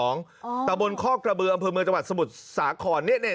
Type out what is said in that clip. นามบนข้อกระเบือบฮุเมืองจมูตสมุทรสระขอร์เหน้นเนี่ย